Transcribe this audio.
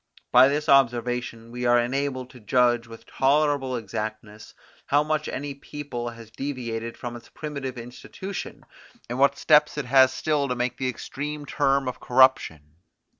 By this observation we are enabled to judge with tolerable exactness, how much any people has deviated from its primitive institution, and what steps it has still to make to the extreme term of corruption.